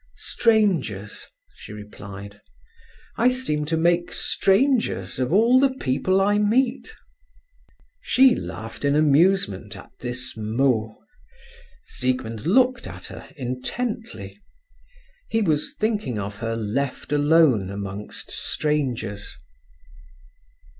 "Strangers," she replied. "I seem to make strangers of all the people I meet." She laughed in amusement at this mot. Siegmund looked at her intently. He was thinking of her left alone amongst strangers.